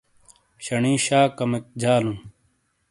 شنی شا کمیک جالوں ۔